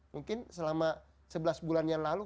mungkin selama sebelas bulan yang lalu